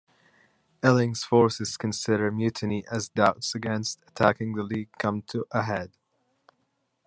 Eiling's forces consider mutiny as doubts against attacking the League come to a head.